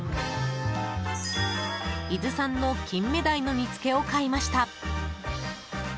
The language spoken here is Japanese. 伊豆産のキンメダイの煮付けを買いました。